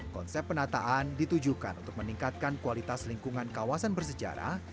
konsep penataan ditujukan untuk meningkatkan kualitas lingkungan kawasan bersejarah